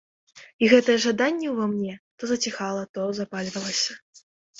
І гэтае жаданне ўва мне то заціхала, то запальвалася.